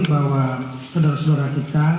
bahwa saudara saudara kita